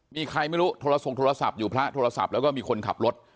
มีใครไม่รู้โทรส่งโทรศัพท์อยู่พระโทรศัพท์แล้วก็มีคนขับรถ